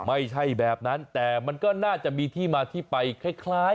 ไม่ใช่แบบนั้นแต่มันก็น่าจะมีที่มาที่ไปคล้าย